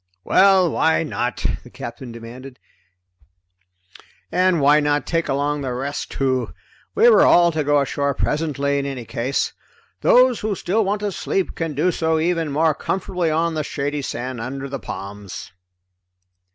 "Well, why not?" the Captain demanded. "And why not take along the rest too? We were all to go ashore presently, in any case. Those who still want to sleep can do so even more comfortably on the shady sand under the palms."